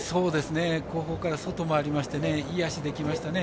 後方から外に回りましていい脚できましたね。